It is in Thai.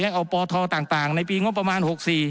เอาปทต่างในปีงบประมาณ๖๔